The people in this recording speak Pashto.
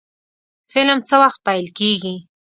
فلم څه وخت پیل کیږي؟